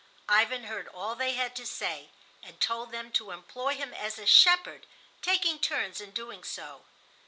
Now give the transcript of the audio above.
Ivan heard all they had to say, and told them to employ him as a shepherd, taking turns in doing so.